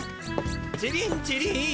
チリンチリン。